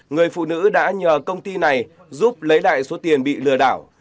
người phụ nữ đã nhờ công ty này giúp lấy lại số tiền bị lừa đảo